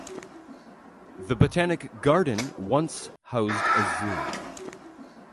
The Botanic Garden once housed a zoo.